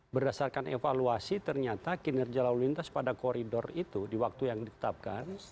berdasarkan evaluasi ternyata kinerja lalu lintas pada koridor itu di waktu yang ditetapkan